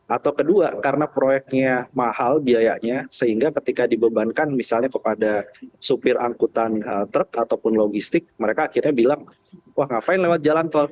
atau kedua karena proyeknya mahal biayanya sehingga ketika dibebankan misalnya kepada supir angkutan truk ataupun logistik mereka akhirnya bilang wah ngapain lewat jalan tol